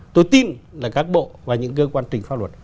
tôi tin là các bộ và những cơ quan trình pháp luật